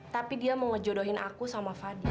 tapi dia mau ngejodohin aku sama fadi